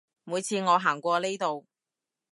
每次我行過呢度